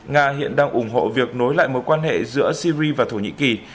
nga hiện đang ủng hộ việc nối lại mối quan hệ giữa syri và thổ nhĩ kỳ